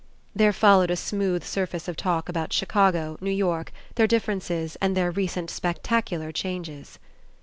There followed a smooth surface of talk about Chicago, New York, their differ ences and their recent spectacular changes.